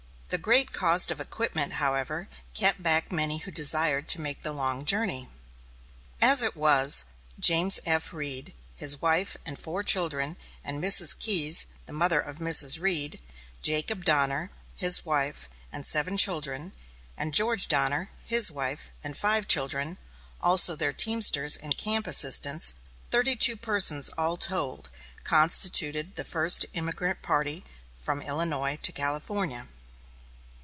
The great cost of equipment, however, kept back many who desired to make the long journey. As it was, James F. Reed, his wife and four children, and Mrs. Keyes, the mother of Mrs. Reed; Jacob Donner, his wife, and seven children; and George Donner, his wife, and five children; also their teamsters and camp assistants, thirty two persons all told, constituted the first emigrant party from Illinois to California.